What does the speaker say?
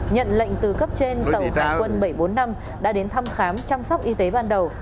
nhận lệnh từ cấp trên tàu hải quân bảy trăm bốn mươi năm đã đến thăm khám chăm sóc y tế ban đầu